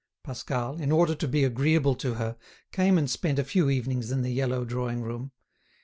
Pascal, in order to be agreeable to her, came and spent a few evenings in the yellow drawing room.